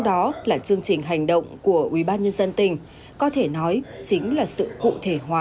đó là chương trình hành động của ủy ban nhân dân tỉnh có thể nói chính là sự cụ thể hóa